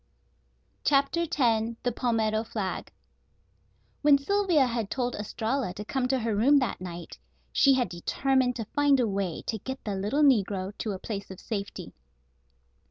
CHAPTER X THE PALMETTO FLAG When Sylvia had told Estralla to come to her room that night, she had determined to find a way to get the little negro to a place of safety.